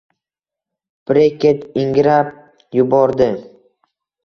Brekket ingrab yubordi